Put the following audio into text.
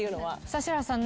指原さん